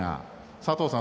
佐藤さん